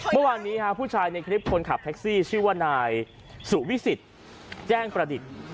เมื่อวานนี้ผู้ชายในคลิปคนขับแท็กซี่ชื่อว่านายสุวิสิทธิ์แจ้งประดิษฐ์